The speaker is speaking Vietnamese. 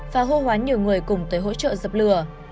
và hô hoán nhiều người cùng tới hỗ trợ dập lửa